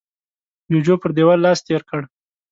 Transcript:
جوجو پر دېوال لاس تېر کړ.